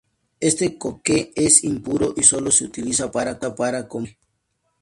Este coque es impuro y sólo se utiliza para combustible.